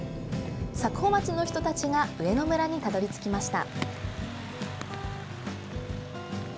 佐久穂町の人たちが上野村にたどり着きました。